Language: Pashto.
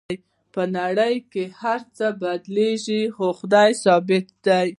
په نړۍ کې هر څه بدلیږي خو خدای ثابت دی